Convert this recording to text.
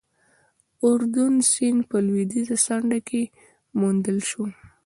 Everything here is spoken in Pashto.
د اردون سیند په لوېدیځه څنډه کې وموندل شول.